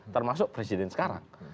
termasuk presiden sekarang